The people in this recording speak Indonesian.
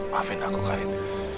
maafin aku karin